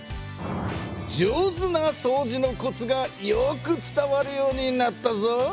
上手なそうじのコツがよく伝わるようになったぞ。